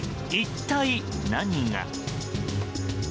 一体何が？